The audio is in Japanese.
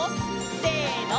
せの！